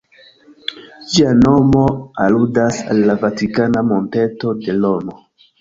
Ĝia nomo aludas al la Vatikana monteto de Romo.